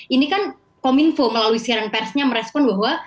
ini kan kominfo melalui siaran persnya merespon bahwa